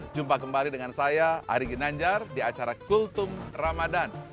jumpa kembali dengan saya ari ginanjar di acara kultum ramadhan